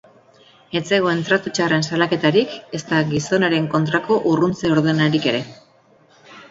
Ez zegoen tratu txarren salaketarik ezta gizonaren kontrako urruntze ordenarik ere.